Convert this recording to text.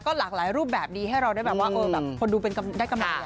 ก็หลากหลายรูปแบบดีให้เราได้แบบว่าคนดูได้กำหนด